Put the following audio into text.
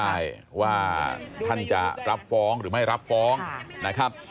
ใช่ว่าท่านจะรับฟ้องหรือไม่รับฟ้องนะครับ